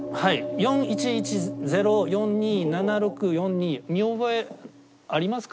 「４１１０４２７６４２」見覚えありますか？